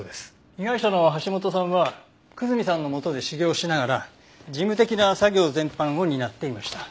被害者の橋本さんは久住さんの下で修業をしながら事務的な作業全般を担っていました。